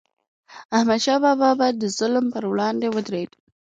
احمدشاه بابا به د ظلم پر وړاندې ودرید.